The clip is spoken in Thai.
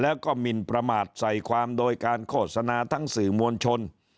แล้วก็หมินประมาทใส่ความโดยการโฆษณาทั้งสื่อมวลชน